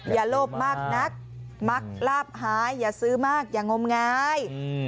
โลภมากนักมักลาบหายอย่าซื้อมากอย่างมงาย